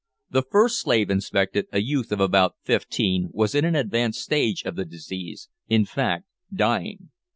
The first slave inspected, a youth of about fifteen, was in an advanced stage of the disease, in fact, dying.